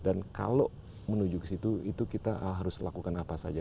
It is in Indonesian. dan kalau menuju ke situ itu kita harus lakukan apa saja